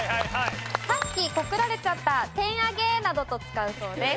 「さっき告られちゃったテンアゲ」などと使うそうです。